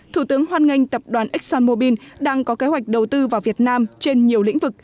thủ tướng hoan nghênh tập đoàn exxonmobil đang có kế hoạch đầu tư vào việt nam trên nhiều lĩnh vực